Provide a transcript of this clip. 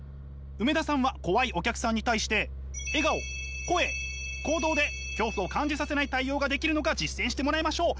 梅田さんは怖いお客さんに対して笑顔声行動で恐怖を感じさせない対応ができるのか実践してもらいましょう！